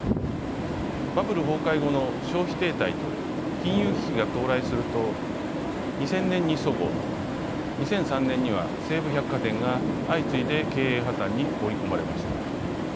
バブル崩壊後の消費停滞と金融危機が到来すると２０００年にそごう２００３年には西武百貨店が相次いで経営破綻に追い込まれました。